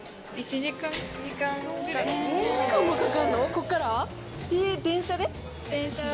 こっから？